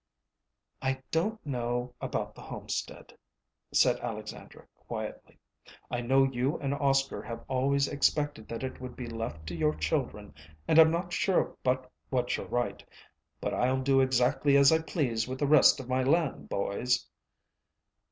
"I don't know about the homestead," said Alexandra quietly. "I know you and Oscar have always expected that it would be left to your children, and I'm not sure but what you're right. But I'll do exactly as I please with the rest of my land, boys."